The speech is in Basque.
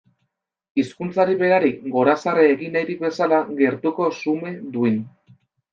Hizkuntzari berari gorazarre egin nahirik bezala, gertuko, xume, duin.